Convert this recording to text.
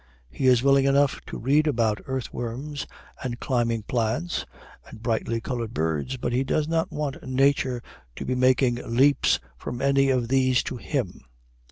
He is willing enough to read about earthworms and climbing plants and brightly colored birds, but he does not want nature to be making leaps from any of these to him.